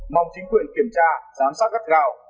mong chính quyền kiểm tra giám sát gắt gào